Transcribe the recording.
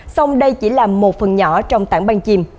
song đây chỉ là một phần nhỏ trong tảng băng chìm